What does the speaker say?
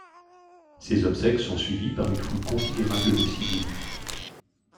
Ses obsèques sont suivies par une foule considérable de civils.